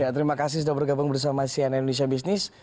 terima kasih sudah bergabung bersama sian indonesia business